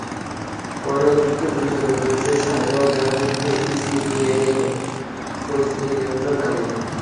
পরে অতিরিক্ত পুলিশ এবং পুলিশের সাঁজোয়া যান এপিসি গিয়ে পরিস্থিতি নিয়ন্ত্রণে আনে।